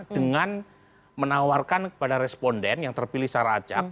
dengan menawarkan kepada responden yang terpilih secara acak